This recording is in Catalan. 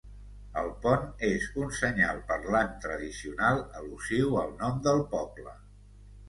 El pont és un senyal parlant tradicional al·lusiu al nom del poble.